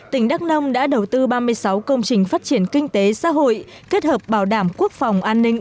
tỉnh đắk nông đã đầu tư ba mươi sáu công trình phát triển kinh tế xã hội kết hợp bảo đảm quốc phòng an ninh